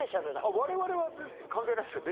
我々は関係ないですよね。